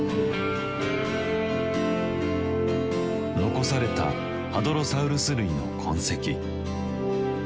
残されたハドロサウルス類の痕跡。